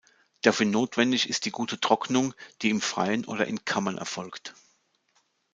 Dafür notwendig ist die gute Trocknung, die im Freien oder in Kammern erfolgt.